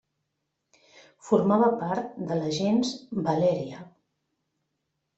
Formava part de la gens Valèria.